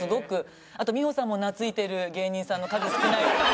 あと美穂さんも懐いてる芸人さんの数少ない。